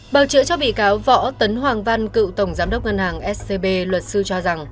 bào chữa cho bị cáo võ tấn hoàng văn cựu tổng giám đốc ngân hàng scb luật sư cho rằng